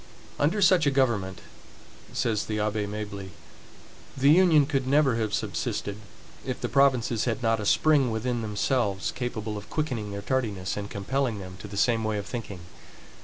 "Under such a government," says the Abbe Mably, "the Union could never have subsisted, if the provinces had not a spring within themselves, capable of quickening their tardiness, and compelling them to the same way of thinking.